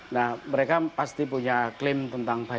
nah mereka pasti punya klaim klaimnya yang sangat baik